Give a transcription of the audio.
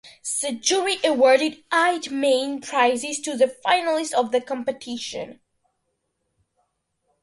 The jury awarded eight main prizes to the finalists of the competition.